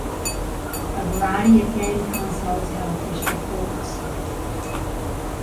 A variety of game consoles have official ports.